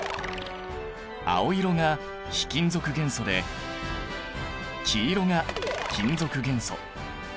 青色が非金属元素で黄色が金属元素。